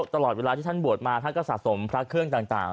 ตลอดเวลาที่ท่านบวชมาท่านก็สะสมพระเครื่องต่าง